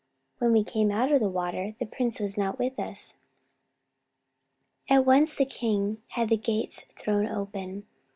When we came out of the water the prince was not with us." At once the king had the gates thrown open.